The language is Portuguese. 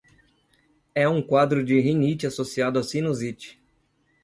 É um quadro de rinite associado a sinusite